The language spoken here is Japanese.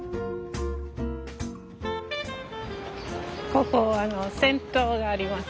ここ銭湯があります。